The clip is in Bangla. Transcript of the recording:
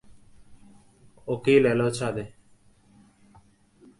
অখিল এল ছাদে।